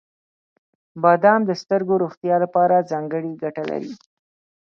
• بادام د سترګو روغتیا لپاره ځانګړې ګټه لري.